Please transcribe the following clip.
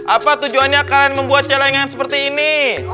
apa tujuannya kalian membuat celengan seperti ini